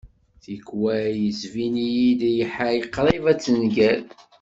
Tikwal yettbin-iyi-d lḥal qrib ad tenger.